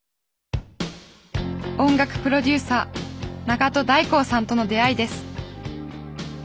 音楽プロデューサー長戸大幸さんとの出会いです。